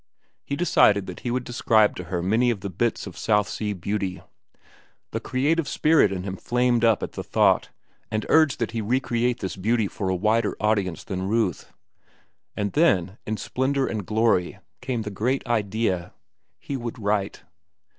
He decided that he would describe to her many of the bits of South Sea beauty. The creative spirit in him flamed up at the thought and urged that he recreate this beauty for a wider audience than Ruth. And then, in splendor and glory, came the great idea. He would write.